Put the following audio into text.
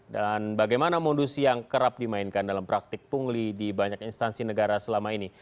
dan bagaimana modus yang kerap dimainkan dalam praktik pungli di banyak instansi negara selama ini